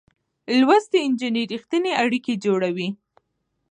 لوستې نجونې رښتينې اړيکې جوړوي.